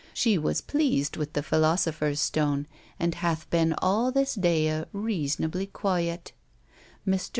She was pleased with the Filosofer's stone, and hath ben all this daye reasonably quyett. Mr.